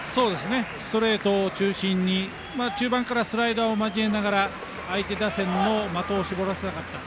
ストレートを中心に中盤からスライダーも交えながら相手打線の的を絞らせなかった。